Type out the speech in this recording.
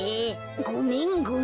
ごめんごめん。